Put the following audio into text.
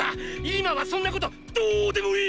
今はそんなことどうでもいい！